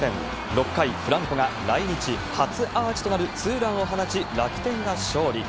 ６回、フランコが初アーチとなるツーランを放ち、楽天が勝利。